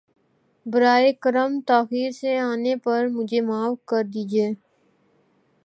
براہ کرم تاخیر سے آنے پر مجھے معاف کر دیجۓ